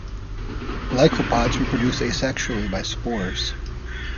Lycopods reproduce asexually by spores.